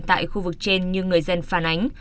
tại khu vực trên như người dân phản ánh